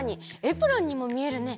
エプロンにもみえるね。